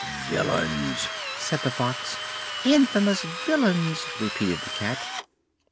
"Villains!" said the Fox. "Infamous villains!" repeated the Cat.